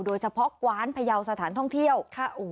โดยเฉพาะกว้านพยาวสถานท่องเที่ยวค่ะอู้